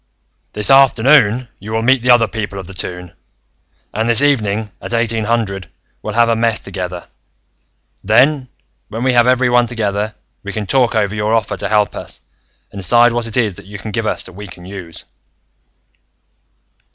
"This afternoon, you will meet the other people of the Toon, and this evening, at eighteen hundred, we'll have a mess together. Then, when we have everyone together, we can talk over your offer to help us, and decide what it is that you can give us that we can use."